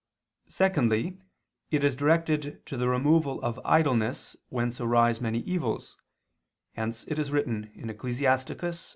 Secondly, it is directed to the removal of idleness whence arise many evils; hence it is written (Ecclus.